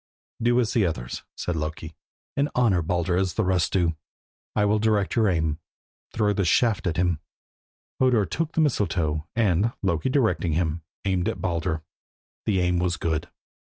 "Do as the others," said Loki, "and honour Baldur as the rest do. I will direct your aim. Throw this shaft at him." Hodur took the mistletoe and, Loki directing him, aimed at Baldur. The aim was good.